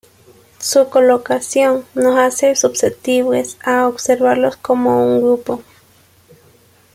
Su colocación nos hace susceptibles a observarlos como un grupo.